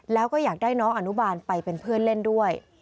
แล้วก็อยากได้น้องอนุบาลไปเป็นเพื่อนเล่นด้วย